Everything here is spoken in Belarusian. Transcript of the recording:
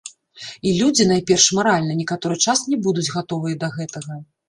І людзі, найперш маральна, некаторы час не будуць гатовыя да гэтага.